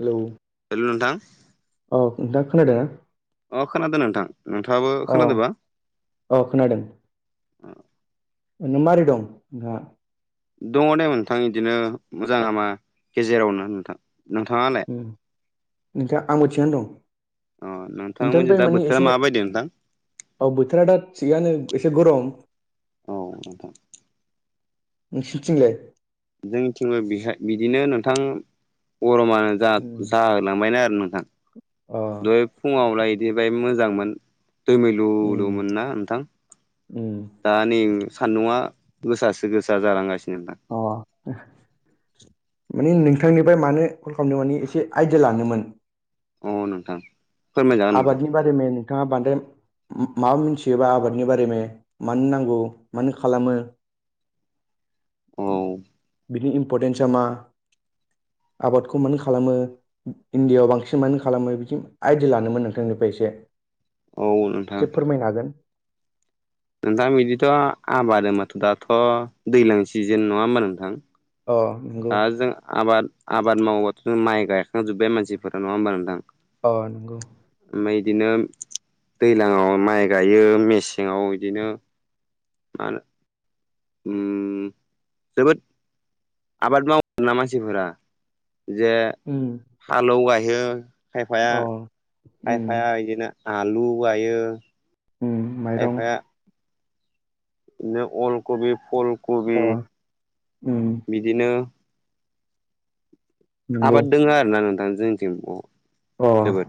Hello hello नोंथां औ नोंथाङा खोनादों ना? अ खोनादों नोंथां। नोंथाङाबो खोनादों बा? अ खोनादों। ओरनो माबारै दं नोंहा? दङ दे नोंथां बिदिनो मोजां हामा गेजेरावनो नोंथां। नोंथाङालाय? उम आंबो थिगानो दं। अ नोंथांमोनजों नोंथांनिफ्राय दा माने बोथोरा एसे माबायदि नोंथां? औ बोथोरा दा थिगानो एसे गरम। औ नोंथां। नोंसिनिथिंलाय? जोंथिंबो बेहाय बिदिनो नोंथां अरमानो उम जा-जा लांबायनो आरो नोंथां। अ' दहाय फुङावलाय बिदि बाय मोजांमोन। उम दैमैलुलुमोन ना नोंथां? उम दा नै सान्दुंआ गोसासो गोसा जालांगासिनो दा। अ, माने नोंथांनिफ्राय मानो कल खालामदों माने एसे आइदिया लानोमोन। औ नोंथां। फोरमायजागोन नोंथां आबादनि बारै मैया नोंथाङा बांद्राय माबा मोनथियोबा आबादनि बारैनो मानो नांगौ मानो खालामो? औ बिनि इमपर्टेनसआ मा? आबादखौ मानो खालामो इण्डियाआव बांसिन मानो खालामो? बिदि आय बिदि लानोमोन‌ नोंथांनिफ्राय एसे औ नोंथां एसे फोरमायनो हागोन। नोंथां बिदिथ' आबाद होनबाथ' दाथ' दैज्लां सिजेन नङा होमबा नोंथां? अ' नंगौ दा जों आबाद-आबाद मावोबाथ' जों माइ गायखांजोब्बाय मानसिफोरा नङा होमबा नोंथां? औ नंगौ। ओमफय बिदिनो दैज्लाङाव माइ गायो। मेसेङाव बिदिनो मानो उम जोबोद आबाद मावोम ना मानसिफोरा जे उम फालोव गायो खायफाया अ उम खायफाया इदिनो आलु गायो माइरं खायफाया बिदिनो अल कबि फुलकबि अ उम बिदिनो नंगौ आबाद दोङ आरोोना नोंथां जोंनिथिं अ जोबोद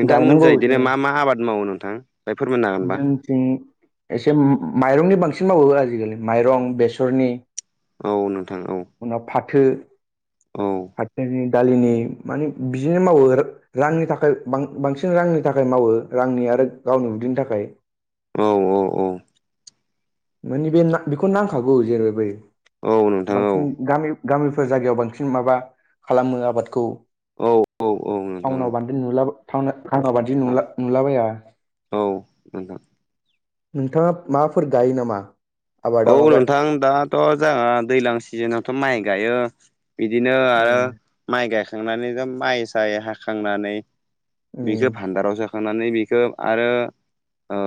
नोंथांमोननिजाय बिदिनो मा मा आबाद मावो नोंथां ओमफ्राय फोरमायनो हागोनबा जोंथिं एसे माइरंनि बांसिन मावो आजिखालि माइरं बेसरनि औ नोंथां औ उनाव फाथो औ फाथोनि दालिनि माने बिदिनो मावो आरो रांनि थाखायां बांसिन रांनि थाखाय मावो रांनि आरो गावनि उदैनि थाखाय औ औ औ माने बे बेखौ नांखागौ जेनै बै औ नोंथां औ बांसिन गामि गामिफोर जायगायाव बांसिन माबा खालामो आबादखौ औ औ औ नोंथां टाउनाव बांद्रो नुलाबो थां आंना बादि नला नुलाबाया औ नोंथां नोंथाङा माफोर गायो नामा औ आबादाव माबा नोंथां दाथ' जोंहा दैज्लां सिजोनावथ' माइ गायो बिदिनो आरो उम माइ गायखांनानै जों माइ साय हाखांनानै उम बिखौ भान्दाराव सोाखांनानै बिखौ आरो ओ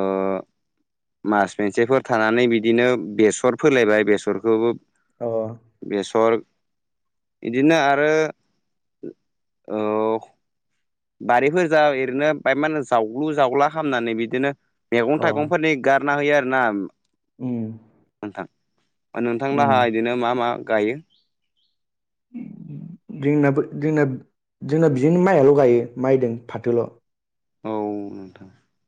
मास मोनेसेफोर थानानै बिदिनो बेसर फोलायबाय बेसरखौबो अ बेसर बिदिनो आरो औ बारिफोरजा ओरैनो बाय मान जावग्लु जावला खालामामनानै बिदिनो मैगं अ थाइगंफोरनि गार ना होयो आरो ना उम नोंथां अ उम नोंथांलाहा बिदिनो मा मा गायो जोंनाबो जोंना जोंना बिदिनो माइयाल' गायो माइदों फाथोल' औ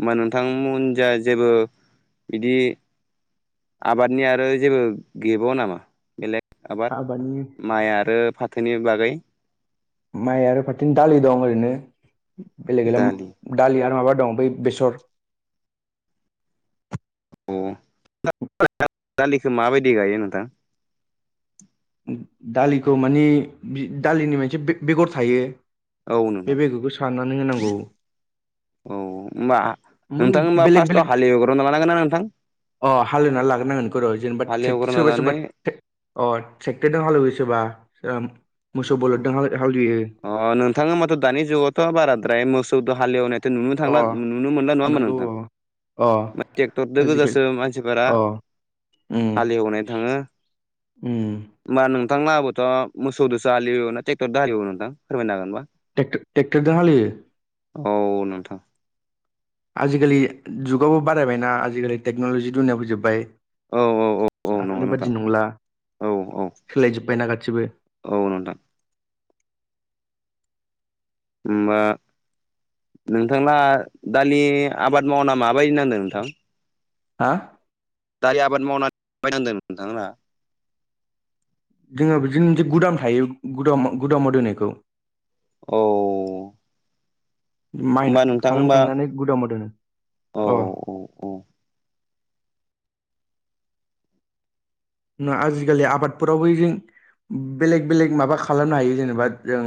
होमबा नोंथांमोन जा जेबो बिदि आबादनि आरो जेबो गैबावा नामा बेलेग आबाद आबादनि माइ आरो फाथोनि बागै माइ आरो फारथिंदालि दं ओरैनो बेलेग गैला दालि दालि आरो माबा दं बै बेसर अ [unintelligible] दालिखौ माबायदि गायो नोंथां दालिखौ मानि दालिनि मोनसे बेगर थायो औ नोंथां साननानै होनांगौ औ होनोमबा मोन नोंथां हबा बेलेग फार्स्टआव बेलेग हाललिवग्रना लानांगोन ना नोंथां अ हालिवना लाग्रोनांगोनखौ र' जेनेबा ट्रेक्ट हालेवग्रोना सोरबा सोरबा लानानै अ ट्रेक्टरजों हालेवयो सोरबा मोसौ बलदजों हालेवयो अ नोंथाङा हेमाबाथ' दानि जुगावथ' बाराद्राय मोसौ द हाललिवनाय नुनो अ थांला नुनो मोनला नङा होनबा नंगौ नोंथां अ अ ट्रेक्टरजों आजिखालि गोजासो मानसिफोरा अ उम हालेवनाय थाङो उम होमबा नोंथांना आबोथ' मोसौ दोंसो आलि एवो ट्रेक्टर दारि नोंथां फोरमायनो हागोन होनबा टेक्ट ट्रेक्ट दजों हालियो औ नोंथां आजिखालि जुगावबो बारायबायनाा आजिखालि टेक्न'लजि दुनियाबो जोबबाय औ औ औ औ नंगौ आगोलनि नोंथां बादि नंला औ औ सोलायजोबबायना गासिबो औ नोंथां होमबा नोंथांना दालि आबाद मावना माबायदि नांदों नोंथां हा दारि आबाद मावनानै बायनांदों नोंथांमोना जोङो बिदिनो मोनसे गुदाम थायो गुद गुदामाव दोनायखौ औ माइ होमबा नोंथां होमबा खालामखांनानै गुदामाव दो औ अ औ औ ना आजिखालि आबादफोराव बैजों बेलेग बेलेग माबा खालामनो हायो जेनेबा जों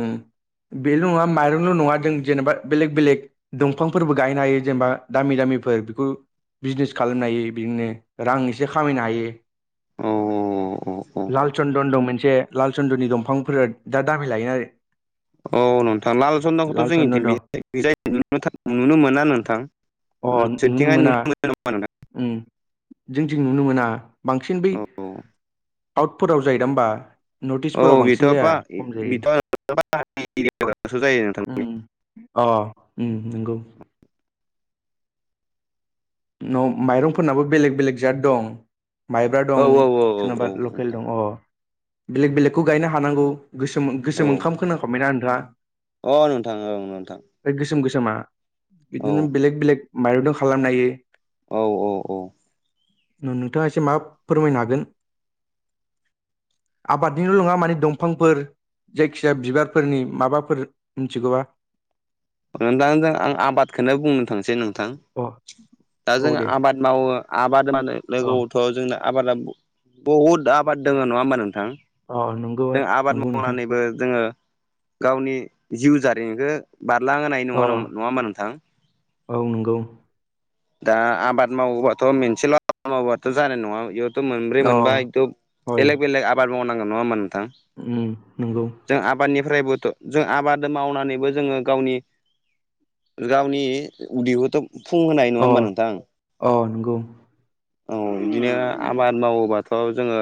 बेल' नङा माइरंल' नङा जों जेनेबा बेलेग बेलेग दंफांफोरबो गायनो हायो जेनेबा दामि दामिफोर बेखु बिजनेस खालामनो हायो बिनिनो रां एसे खामायनो हायो औ औ औ लाल चन्दन दं मोनसे लाल चन्दनि दंफांफोरा दा दाबि लायो आरो औ नोंथां लाल सन्दंखौथ' जोंनि दं थिायजाय नु-नुनो मोना नोंथां [unintelligible] उ जोंथिं नुनो मोना बांसिन बै औ आउटफोराव जायोदा होमबा औ नटिसफोराव औ बेथ' बांसिन बा जाया खम जायो बेथ' बाहानि एरियाफोरावसो जायो नोंथां ओम अ उ नंगौ। न' माइरंफोरनाबो बेलेग बेलेग जात दं। माइब्रा औ दं औ औ सोनेबा लकेल नोंथां दं अ बेलेग बेलेगखौ गायनो हानांगौ गोसोम औ गोसोम ओंखाम खोनांखाबायना नोंथाङा अ नोंथां ओं नोंथां। गोसोम गोसोमा औ बिदिनो बेलेग बेलेग माइरं दो खालामनो हायो। औ औ औ। नु-नुथाङा एसे मा फोरमायनो हागोन आबादनिल' नङा माने दंफांफोर जायखिजाया बिबारफोरनि माबाफोर मिथिगौबा दा जों आं आबादखौनो बुंनो थांसै नोंथां अ दा जों औ दे आबाद मावो आबाद माने अ लोगोआव फ जोंना आबादा ब-बहुद आबाद दङ नङा होमबा नोंथां अ नंगौ जों आबाद नंगौ नोंथां मावनानैबो जोङो गावनि जिउ जारिमिनखो नांनाय अ नङानोम नङा होमबा नोंथां औ नंगौ दा आबाद मावोबाथ' मोनसेल' आबाद मावोबाथ' जानाय नङा थो मोनब्रै अ मोनबा एथ' बेलेग बेलेग आबाद मावनांगोन नङा होमा नोंथां उ नोंगौ। जों आबादनिफ्रायबोथ' जों आबाद मावनानैबो जोङो गावनि गावनि उदैखौथ' फुं होनाय नङा अ होमबा नोंथां अ नोंगौ। औ बिदिनो आबाद मावोबाथ' जोङो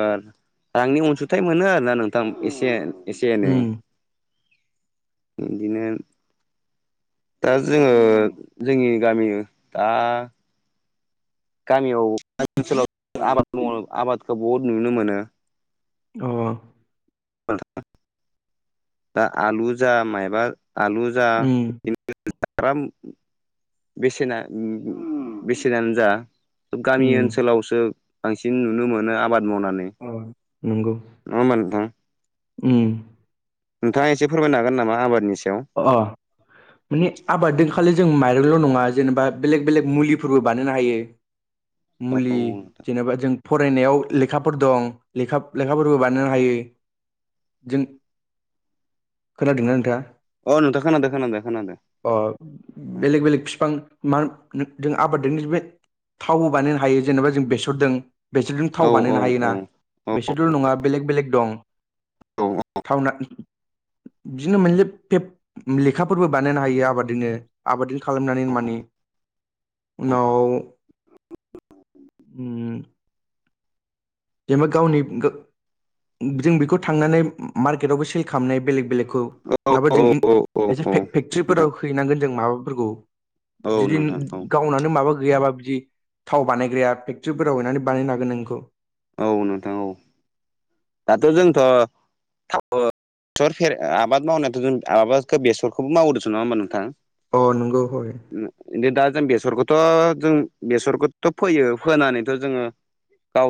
रांनि अनसुंथाइ मोनो आरोना नोंथां एसे एसे एनै उम इनदिनो दा जोङो जोंनि गामि आ गामियाव ओनसोलाव आबाद माव आबादखौ बहुद नुनो मोनो। अ। [unintelligible] दा आलु जा मायबा आलु जा उम बेसेना बेसेनानो जा गामि उम ओनसोलावसो बांसिन नुनो मोनो आबाद मावनानै अ। नोंगौ। नङा होमबा नोंथां उम नोंथाङा एसे फोरमायनो हागोन नामा आबादनि सायाव अ माने आबाददों खालि जों माइरंल' नङा जेनेबा बेलेग बेलेग मुलिफोरबो बानायनो हायो। मुलि औ जेनेबा जों फरायनायाव लेखाफोर दं लेखा-लेखाफोरबो बानायनो हायो। जों खोनादोंना नोंथाङा अ नोंथां खोनादो खोनादो खोनादो। अ बेलेग बेलेग फिफां मा जों आबाददों बे थावबो बानायनो हायो जेनेबा जों बेसरदों बेसरजों औ थाव बानायनो हायोना बेसरदोंल' नङा बेलेग बेलेग दं। थावना इदिनो मोनले लेखाफोरबो बानायनो हायो आबाददोंनो आबाद खालामनानै मानि उनाव ओम जेनेबा गावनि गो जों बेखौ थांनानै मार्केटावबो सेल खालामनाय बेलेक बेलेकखौ नाबा जों औ ए औ औ नोंथां फेक्ट्रिफोराव हैनांगोन जों माबाफोरखौ। औ जुदि नोंथां औ गावनानो माबा गैयाबा बिदि थाव बानायग्राया फेक्टरिफोराव हैनानै बानायनो हागोन नों इखौ। औ नोंथां औ दाथ' जोंथ' थाव सर फेर आबाद मावनायाथ' जों आबादखो बेसरखौबो मावो देसन नङा होमबा नोंथां? अ नंगौ हय। बिदि दा जों बेसरखोथ' जों बेसरखोथ' फोयो फोनानैथ' जोङो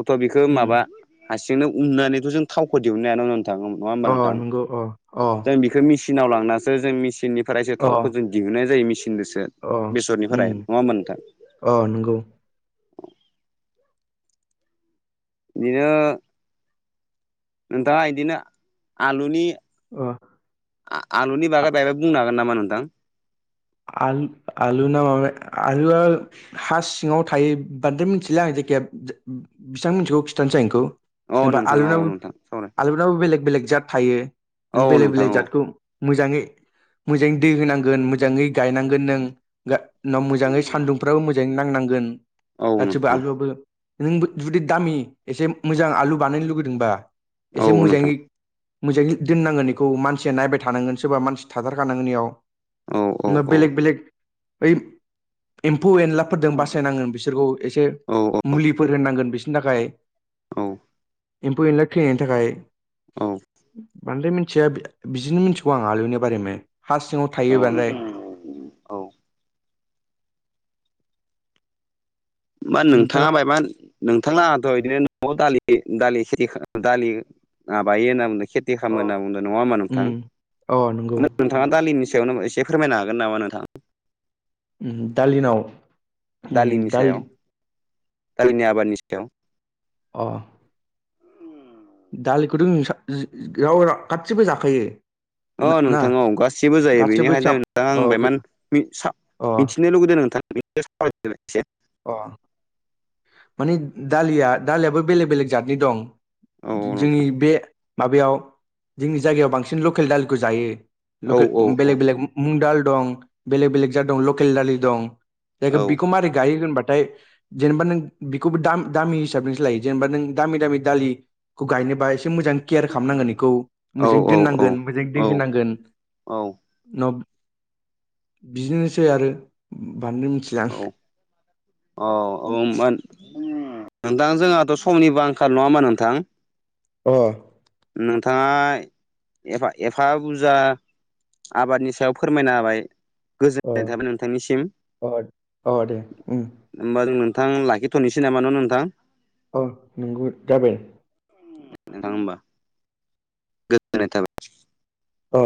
थ' बेखो उम माबा हासिंनो उननानैथ' जों थावखो दिहुननो हायान' नोंथां। अ नंगौ अ अ। बेखो मिसिनाव लांनासो जों मेसिननिफ्रायसो अ थावखौ जों दिहुननाय जायो मिसिनदोसो। अ उम अ नंगौ। बिदिनो नोंथाङा इदिनो आलुनि ओ। आ-आलुनि बागै बायबा बुंनो हागोन नामा नोंथां? आल आलु ना माबा आलुआ हा सिङाव थायो बांद्राय मिथिला आं जायखिजाया बेसिबां मिथिगौ खिथानोसै आं एखौ। औ जेनेबा नोंथां औ आलुनाबो नोंथां सावराय आलुनाबो बेलेग बेलेग जात थायो औ नों बेलेग नोंथां बेलेक औ जातखौ मोजाङै मोजाङै दै होनांगोन मोजाङै गायनांगोन नों। उनाव मोजाङै सान्दुंफ्राबो मोजाङै नांनांगोन औ गासिबो नोंथां आलुआबो नोंबो जुदि दामि एसे मोजां आलु बानायनो लुुबैदोंबा औ एसे नोंथां मोजाङै मोजाङै दोननांगोन इखौ मानसिया नायबाय थानांगोन सोरबा मानसि थाथारखानांगोन इयाव। औ औ औ बेलेग बेलेग ओइ एम्फौ एनला औ फोरदों बासायनांगोन बिसोरखौ एसे मुलिफोर होननांगोन बिसोरनि थाखाय। औ। एम्फौ एनला थैनायनि थाखाय बांद्राय मिनथिया। बिदिनो मिथिगौ आं आलुनि बारैनो हा सिङाव औ थायो बांद्राय मा नोंथाङा बायमान नोंथांआ दहायो बिदिनो न'आव दालि दा खेथि दालि माबायो होनना बुंदों खे खिथि खामो अ होनना बुंदों नङा होमबा नोंथां? उम अ नंगौ नोंथाङा दालिनि सायावनो एसे फोरमायनो हागोन नामा नोंथां? उम दालिनाव उम दालिनि दालि सायाव दालिनि आबादनि सायाव। अ। दालिखौथ' नोंसा [unintelligible] गासिबो जाखायो। अ ना नोंथां औ गासिबो जायो गासिबो बेनिखायनो साब नोंथां अ आं बे बायमान मि-सा- अ मिथिनो लुुबैदों नोंथां। [unintelligible] अ मानि दालिया दालियाबो बेलेग बेलेग जातनि दं। औ नोंथां जोंनि बे माबायाव जोंनि जायगायाव बांसिन लकेल दालिखौ जायो। औ औ लकेल बेलेग बेलेग मुग दाल दं बेलेग बेलेग जाद दं लकेल दालि दं। जायखौ औ बिखौ मारि गायो होनबाथाय जेनेबा नों बेखौबो दाम-दामि हिसाबसो लायो जेनेबा नों दामि दामि दालि खौ गायनोबा एसे मोजां केयार खालामनांगोन इखौ औ मोजाङै दोननांगोन। मोजां दै औ होनांगोन। बिदिनोसै आरो बांद्राय मिथिला आं। अ ओम मोन नोंथां जोंहाथ' समनिबो आंखाल नङा होमबा नोंथां? अ नोंथाङा एफा एफा बुरजा आबादनि सायाव फोरमायना होबाय अ गोजोननाय थाबाय नोंथांनिसिम। अ अ दे उम। होमबा नोंथां लाखिथ'नोसै नामा न नोंथां? औ नंगौ जाबाय। नोंथां होमबा। गोजोननाय थाबाय। अ